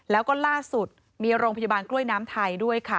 แล้วก็ล่าสุดมีโรงพยาบาลกล้วยน้ำไทยด้วยค่ะ